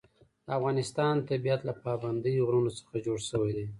د افغانستان طبیعت له پابندی غرونه څخه جوړ شوی دی.